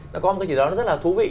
nó có một cái gì đó rất là thú vị